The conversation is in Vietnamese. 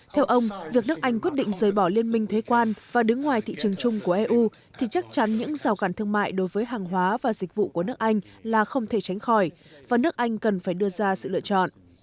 theo ông việc nước anh quyết định rời bỏ liên minh thuế quan và đứng ngoài thị trường chung của eu thì chắc chắn những rào cản thương mại đối với hàng hóa và dịch vụ của nước anh là không thể tránh khỏi và nước anh cần phải đưa ra sự lựa chọn